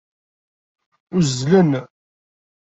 Uzzlen.